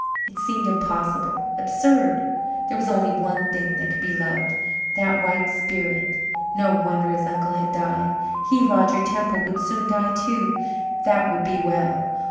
It seemed impossible absurd. There was only one thing that could be loved that white spirit. No wonder his uncle had died. He, Roger Temple, would soon die too. That would be well.